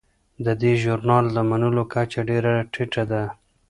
د دې ژورنال د منلو کچه ډیره ټیټه ده.